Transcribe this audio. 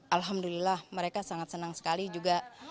alhamdulillah mereka sangat senang sekali juga